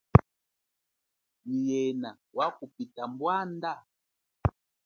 Nyi yena wakupita mbwanda?